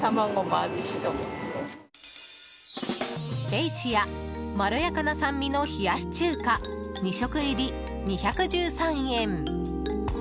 ベイシアまろやかな酸味の冷し中華２食入り、２１３円。